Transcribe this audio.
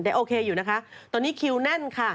โอเคอยู่นะคะตอนนี้คิวแน่นค่ะ